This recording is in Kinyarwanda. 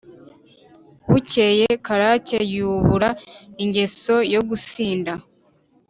bukeye karake yubura ingeso yo gusinda